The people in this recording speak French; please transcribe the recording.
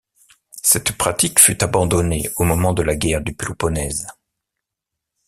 Cette pratique fut abandonnée au moment de la guerre du Péloponnèse.